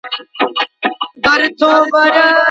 د هلکانو لیلیه له مشورې پرته نه اعلانیږي.